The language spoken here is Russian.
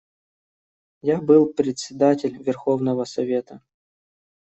Я был председатель Верховного Совета.